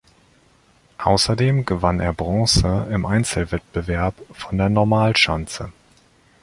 Außerdem gewann er Bronze im Einzelwettbewerb von der Normalschanze.